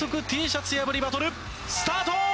Ｔシャツ破りバトルスタート！